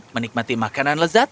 menikmati makanan lezat